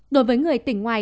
đối với người tỉnh ngoài